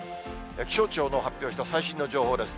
気象庁の発表した最新の情報です。